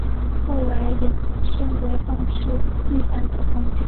后来延伸为放置浴盆的房间。